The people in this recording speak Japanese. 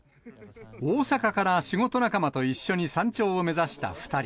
大阪から仕事仲間と一緒に山頂を目指した２人。